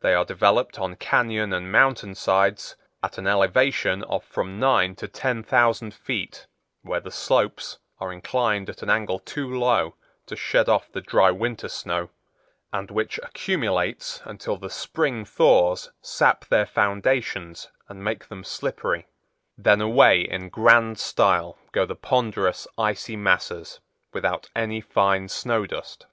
They are developed on cañon and mountain sides at an elevation of from nine to ten thousand feet, where the slopes are inclined at an angle too low to shed off the dry winter snow, and which accumulates until the spring thaws sap their foundations and make them slippery; then away in grand style go the ponderous icy masses without any fine snow dust.